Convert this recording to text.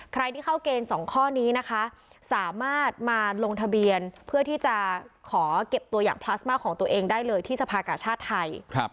ใครที่เข้าเกณฑ์๒ข้อนี้นะคะสามารถมาลงทะเบียนเพื่อที่จะขอเก็บตัวอย่างพลาสมาของตัวเองได้เลยที่สภากาชาติไทย